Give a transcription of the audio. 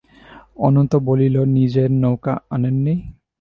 অনন্ত বলিল, নিজের নৌকা আনেননি?